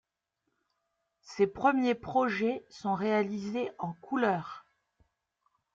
Ses premiers projets sont réalisés en couleur.